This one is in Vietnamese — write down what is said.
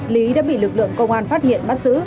lý đã bị lực lượng công an phát hiện bắt giữ